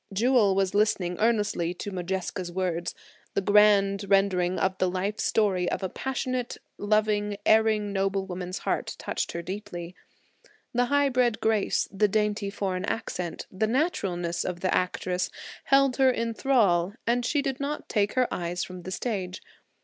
Jewel was listening earnestly to Modjeska's words; the grand rendering of the life story of a passionate, loving, erring, noble woman's heart touched her deeply. The high bred grace, the dainty foreign accent, the naturalness of the actress, held her in thrall and she did not take her eyes from the stage.